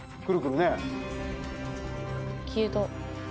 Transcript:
消えた。